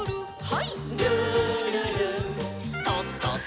はい。